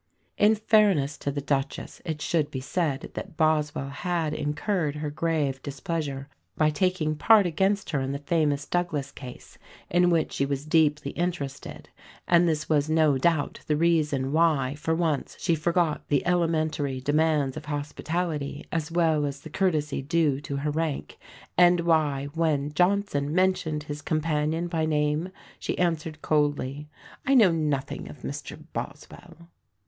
In fairness to the Duchess it should be said that Boswell had incurred her grave displeasure by taking part against her in the famous Douglas Case in which she was deeply interested; and this was no doubt the reason why for once she forgot the elementary demands of hospitality as well as the courtesy due to her rank; and why, when Johnson mentioned his companion by name, she answered coldly, "I know nothing of Mr Boswell."